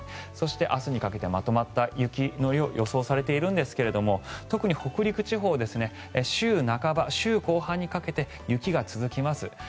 そして明日にかけてまとまった雪予想されているんですが特に北陸地方週半ば、週後半にかけて雪が続きます。